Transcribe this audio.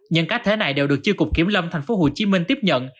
những cá thể này đều được chi cục kiểm lâm thành phố hồ chí minh tiếp nhận